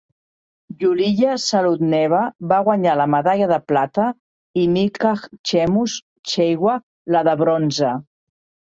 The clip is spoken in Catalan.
Yuliya Zarudneva va guanyar la medalla de plata i Milcah Chemos Cheywa la de bronze.